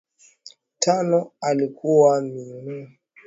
tano alikuwa muinuko na kiwango cha thelathini na tatu na baada ya John aliitwa